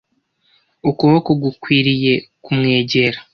ukuboko gukwiriye kumwegera